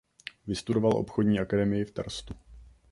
Vystudoval obchodní akademii v Terstu.